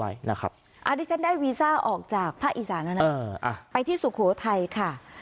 อันนี้ฉันได้วีซ่าออกจากภาคอีสานแล้วนะไปที่สุโขทัยค่ะ